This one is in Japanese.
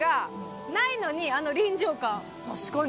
確かに！